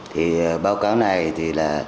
thì báo cáo này thì là